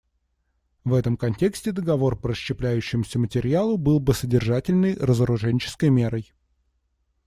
В этом контексте договор по расщепляющемуся материалу был бы содержательной разоруженческой мерой.